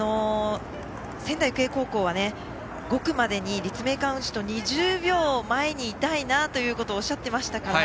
仙台育英高校は５区までに立命館宇治と２０秒、前にいたいなということをおっしゃっていましたから